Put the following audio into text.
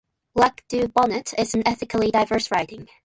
Lac Du Bonnet is an ethnically diverse riding.